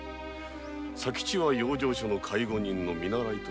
佐吉は養生所の介護人の見習いに。